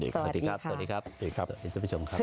สวัสดีครับคุณผู้ชมครับ